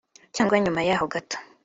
cyangwa nyuma yaho gato